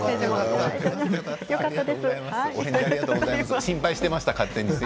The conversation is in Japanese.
お返事ありがとうございます。